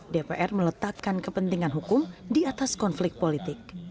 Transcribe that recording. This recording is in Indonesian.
dpr meletakkan kepentingan hukum di atas konflik politik